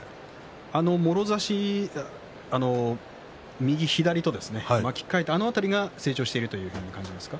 もろ差し右左と巻き替えた辺りが成長しているという感じですか？